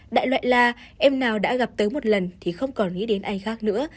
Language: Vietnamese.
đại loại là em nào đã gặp tới một lần thì không còn nghĩ đến ai khác nữa